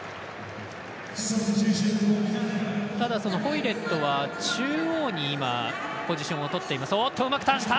ただ、ホイレットは中央に今ポジションをとっています。